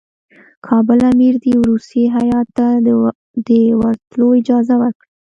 کابل امیر دي روسي هیات ته د ورتلو اجازه ورکړي.